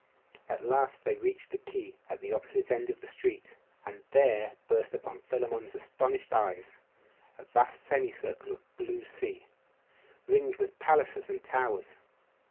At last they reached the quay at the opposite end of the street; and there burst on Philammon's astonished eyes a vast semicircle of blue sea, ringed with palaces and towers....